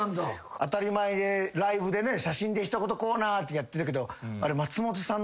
当たり前ライブでね「写真で一言コーナー」ってやってるけどあれ。